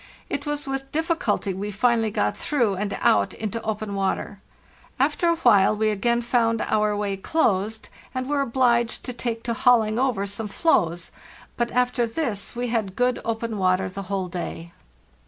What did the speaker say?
It was with difficulty we finally got through and out into open water. After a while we again found our way closed, and were obliged to take to hauling over some floes, but after this we had good open water the whole day.